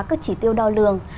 các chỉ tiêu đo lường